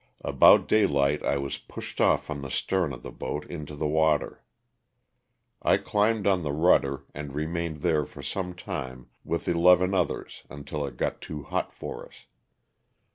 About daylight I was pushed off from the stern of the boat into the water. I climbed on the rudder and remained there for some time with eleven others until it got too hot for us.